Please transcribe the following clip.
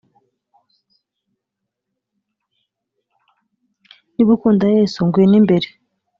niba ukunda Yesu ngwino imbere